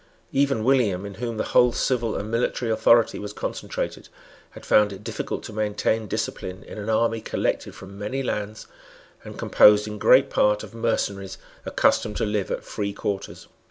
Even William, in whom the whole civil and military authority was concentrated, had found it difficult to maintain discipline in an army collected from many lands, and composed in great part of mercenaries accustomed to live at free quarters.